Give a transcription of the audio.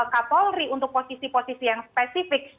kapolri untuk posisi posisi yang spesifik